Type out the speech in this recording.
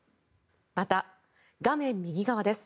また、画面右側です